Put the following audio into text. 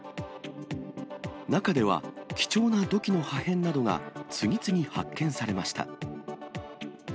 中では、貴重な土器の破片などが、次々発見されました。